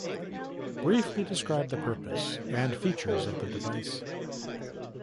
Briefly describe the purpose and features of the device.